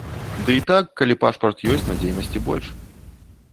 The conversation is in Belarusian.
Ды і так, калі пашпарт ёсць, надзейнасці больш.